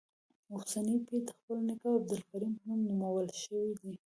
اوسنی پیر د خپل نیکه عبدالکریم په نوم نومول شوی دی.